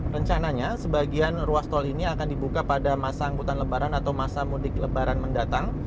rencananya sebagian ruas tol ini akan dibuka pada masa angkutan lebaran atau masa mudik lebaran mendatang